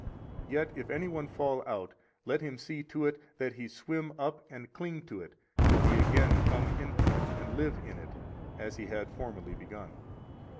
Yet if any one fall out, let him see to it that he swim up and cling to it till he again come into it and live in it, as he had formerly begun.